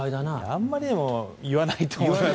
あまりでも言わないと思います。